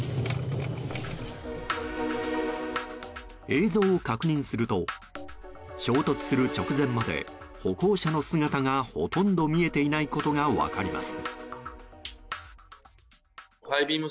映像を確認すると衝突する直前まで歩行者の姿が、ほとんど見えていないことが分かります。